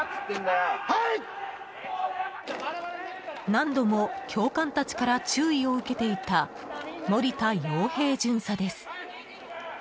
何度も教官たちから注意を受けていた森田陽平巡査です。